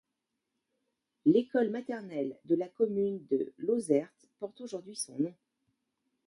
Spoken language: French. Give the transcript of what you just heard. L'école maternelle de la commune de Lauzerte porte aujourd'hui son nom.